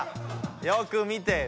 よく見て。